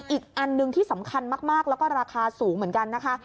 อีกอันหนึ่งที่สำคัญมากแล้วก็ราคาสูงเหมือนกันนะคะ